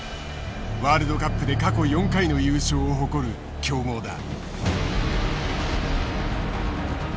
ワールドカップで過去４回の優勝を誇る強豪だ。